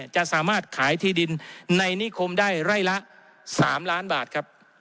จะสามารถขายที่ดินในนิคมได้ไร่ละ๓ล้านบาทครับ